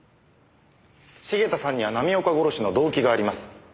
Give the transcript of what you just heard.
茂田さんには浪岡殺しの動機があります。